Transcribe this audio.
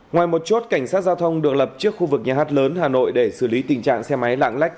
ngoài một chốt cảnh sát giao thông được lập trước khu vực nhà hát lớn hà nội để xử lý tình trạng xe máy lạng lách